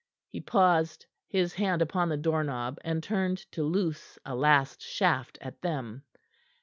He paused, his hand upon the doorknob, and turned to loose a last shaft at them.